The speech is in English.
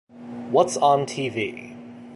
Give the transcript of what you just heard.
What’s on T V?